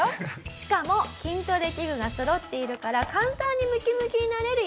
しかも筋トレ器具がそろっているから簡単にムキムキになれるよ。